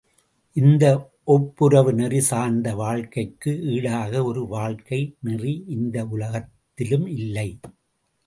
இந்த ஒப்புரவு நெறி சார்ந்த வாழ்க்கைக்கு ஈடாக ஒரு வாழ்க்கை நெறி இந்த உலகத்திலும் இல்லை!